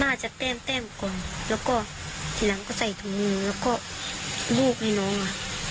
หน้าจะเต้มเต้มก่อนแล้วก็ทีนั้นก็ใส่ถุงมือแล้วก็ลูกให้น้องอ่ะ